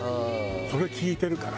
それ聞いてるから。